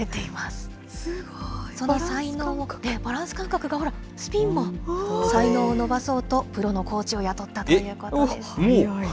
その才能、バランス感覚が、ほら、スピンも、才能を伸ばそうと、プロのコーチを雇ったということです。